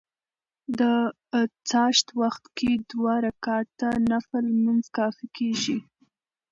د څاښت وخت کي دوه رکعته نفل لمونځ کافي کيږي